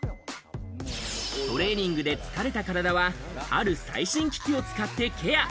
トレーニングで疲れた体は、ある最新機器を使ってケア。